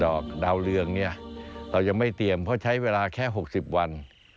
อกดาวเรืองเนี่ยเรายังไม่เตรียมเพราะใช้เวลาแค่๖๐วัน